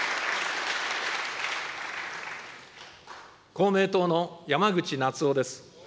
公明党の山口那津男です。